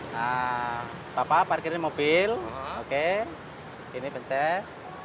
nah bapak parkirin mobil oke ini bentar